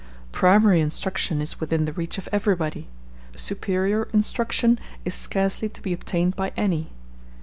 Primary instruction is within the reach of everybody; superior instruction is scarcely to be obtained by any.